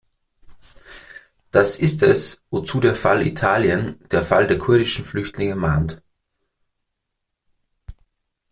Das ist es, wozu der Fall Italien, der Fall der kurdischen Flüchtlinge mahnt.